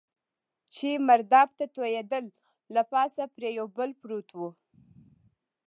چې مرداب ته توېېدل، له پاسه پرې یو پل پروت و.